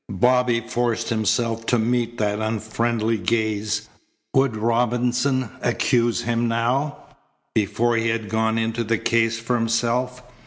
Bobby forced himself to meet that unfriendly gaze. Would Robinson accuse him now, before he had gone into the case for himself?